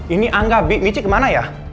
ini angga big mici kemana ya